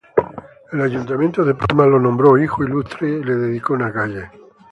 El Ayuntamiento de Palma lo nombró hijo ilustre y le dedicó una calle.